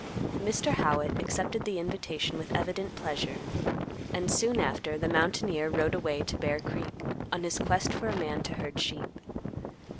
Mr. Howitt accepted the invitation with evident pleasure, and, soon after, the mountaineer rode away to Bear Creek, on his quest for a man to herd sheep.